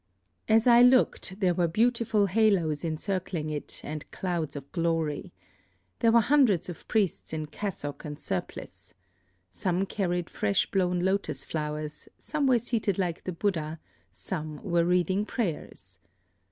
As I looked, there were beautiful haloes encircling it, and clouds of glory. There were hundreds of priests in cassock and surplice. Some carried fresh blown lotus flowers; some were seated like the Buddha; some were reading prayers.